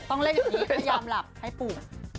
ต้องเล่นอย่างนี้พยายามหลับให้ปลูก